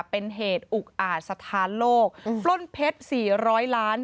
เป็นเหตุอุกอาจสถานโลกปล้นเพชร๔๐๐ล้าน